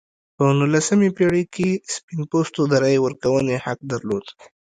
په نولسمې پېړۍ کې سپین پوستو د رایې ورکونې حق درلود.